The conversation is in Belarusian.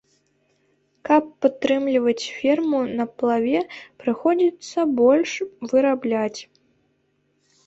Каб падтрымліваць ферму на плаве, прыходзіцца больш вырабляць.